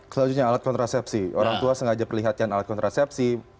selanjutnya alat kontrasepsi orang tua sengaja perlihatkan alat kontrasepsi